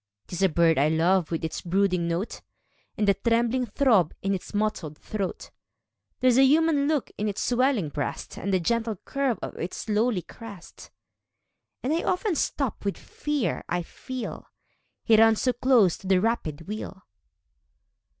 'Tis a bird I love, with its brooding note, And the trembling throb in its mottled throat ; There's a human look in its swellinor breast, And the gentle curve of its lowly crest ; And I often stop with the fear I feel — He runs so close to the rapid wheel.